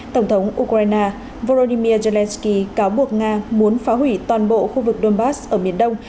tổng thống ukraine volodymyr zelensky cáo buộc nga muốn phá hủy toàn bộ khu vực donbass ở miền đông